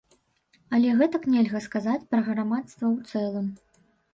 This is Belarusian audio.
Але гэтак нельга сказаць пра грамадства ў цэлым.